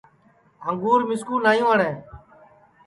انگُور مِسکُو نائیں وٹؔیں